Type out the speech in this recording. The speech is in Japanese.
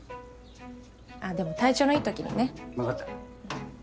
あっでも体調のいい時にね。わかった。